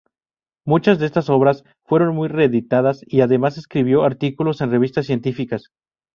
Muchas de estas obras fueron muy reeditadas, y además escribió artículos en revistas científicas.